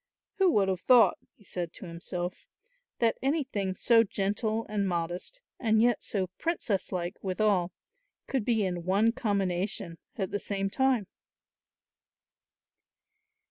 "Who would have thought," he said to himself, "that anything so gentle and modest and yet so princess like withal could be in one combination at the same time?"